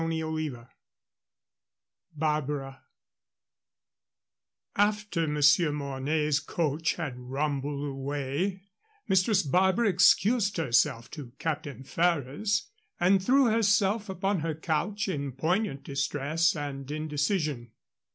CHAPTER VII BARBARA After Monsieur Mornay's coach had rumbled away, Mistress Barbara excused herself to Captain Ferrers and threw herself upon her couch in poignant distress and indecision.